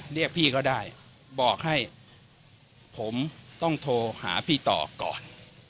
เรียกพี่ก็ได้บอกให้ผมต้องโทรหาพี่ต่อก่อน